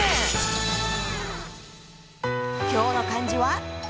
今日の漢字は。